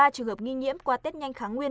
ba trường hợp nghi nhiễm qua tết nhanh kháng nguyên